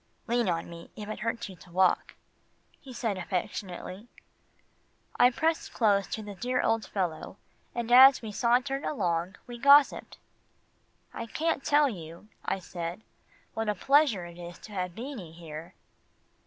"Lean on me, if it hurts you to walk," he said affectionately. I pressed close to the dear old fellow, and as we sauntered along, we gossiped. "I can't tell you," I said, "what a pleasure it is to have Beanie here."